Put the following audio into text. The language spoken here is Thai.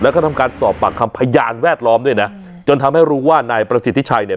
แล้วก็ทำการสอบปากคำพยานแวดล้อมด้วยนะจนทำให้รู้ว่านายประสิทธิชัยเนี่ย